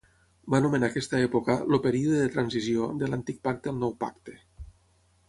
Va anomenar aquesta època "el període de transició" de l'Antic Pacte al Nou Pacte.